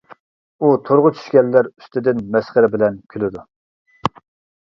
ئۇ تورغا چۈشكەنلەر ئۈستىدىن مەسخىرە بىلەن كۈلىدۇ.